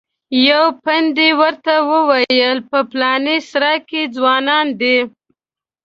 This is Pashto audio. یوه پندي ورته وویل په پلانې سرای کې ځوانان دي.